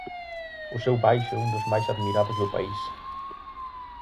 O seu baixo é un dos máis admirados do país.